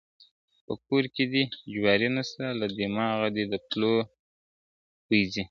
په کور کي دي جواري نسته له دماغه دي د پلو بوی ځي ,